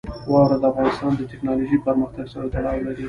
واوره د افغانستان د تکنالوژۍ پرمختګ سره تړاو لري.